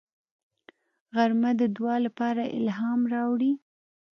غرمه د دعا لپاره الهام راوړي